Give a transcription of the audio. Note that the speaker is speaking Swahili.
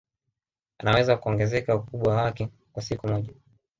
anaweza kuongezeka ukubwa wake kwa siku moja